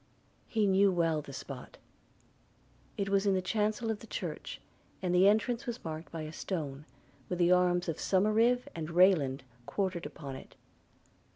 – He knew well the spot: – it was in the chancel of the church, and the entrance was marked by a stone, with the arms of Somerive and Rayland quartered upon it.